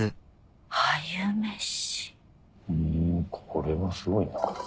ふんこれはすごいな。